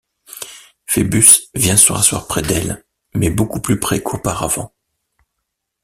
Phœbus vint se rasseoir près d’elle, mais beaucoup plus près qu’auparavant.